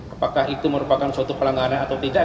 apakah itu merupakan suatu pelanggaran atau tidak